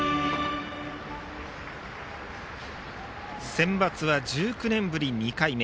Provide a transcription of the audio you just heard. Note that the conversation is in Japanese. センバツは１９年ぶり２回目。